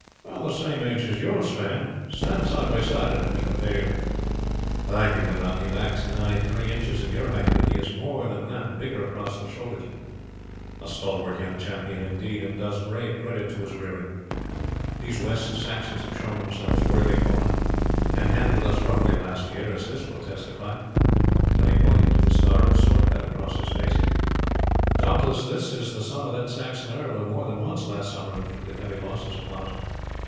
"The same age as you, Sweyn. Stand side by side and let me compare you. Ay," he went on, "he lacks nigh three inches of your height, but he is more than that bigger across the shoulders a stalwart young champion, indeed, and does brave credit to his rearing. These West Saxons have shown themselves worthy foemen, and handled us roughly last year, as this will testify," and he pointed to the scar of a sword cut across his face. "Doubtless this is the son of that Saxon earl who more than once last summer inflicted heavy losses upon us.